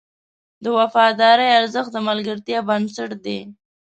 د وفادارۍ ارزښت د ملګرتیا بنسټ دی.